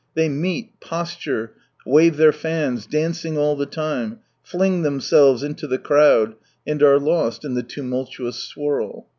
They meet, posture, wave their fans, dancing all the time, fling them aelves into the crowd, and are lost in the tumultuous swirl.